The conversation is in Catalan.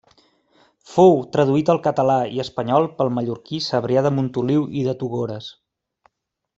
Fou traduït al català i espanyol pel mallorquí Cebrià de Montoliu i de Togores.